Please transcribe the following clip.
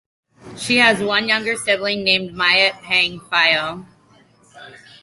She has one younger sibling named Myat Paing Phyo.